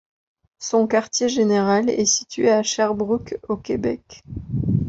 Son quartier général est situé à Sherbrooke au Québec.